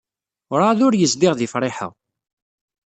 Werɛad ur yezdiɣ deg Friḥa.